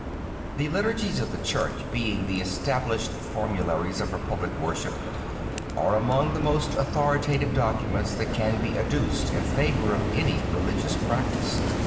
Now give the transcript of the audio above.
The liturgies of the Church, being the established formularies of her public worship, are among the most authoritative documents that can be adduced in favor of any religious practice.